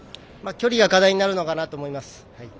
距離が課題になるのかなと思います。